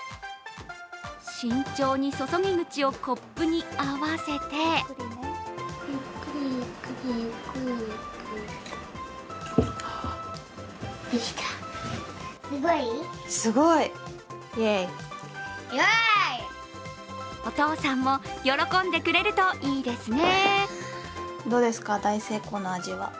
慎重に注ぎ口をコップに合わせてお父さんも喜んでくれるといいですね。